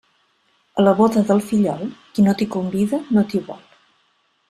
A la boda del fillol, qui no t'hi convida no t'hi vol.